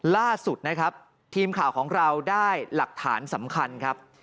ล่าสุดนะครับทีมข่าวของเราได้หลักฐานสำคัญครับ